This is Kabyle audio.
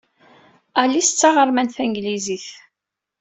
Alice d taɣermant tanglizit.